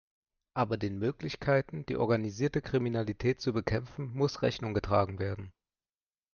Aber den Möglichkeiten, die organisierte Kriminalität zu bekämpfen, muss Rechnung getragen werden.